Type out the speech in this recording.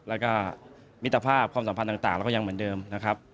แล้วก็มิตรภาพความสัมพันธ์ต่างเราก็ยังเหมือนเดิมนะครับ